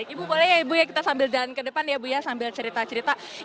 ibu boleh ya ibu ya kita sambil jalan ke depan ya bu ya sambil cerita cerita